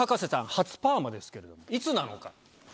初パーマですけれどもいつなのか？